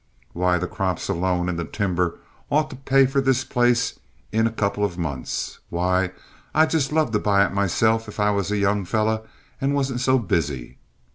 "Why, the crops alone and the timber ought to pay for this place in a couple of months. Why, I'd just love to buy it myself if I was a young fellow and wasn't so busy.